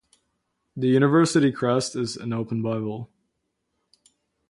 The university crest is an open Bible.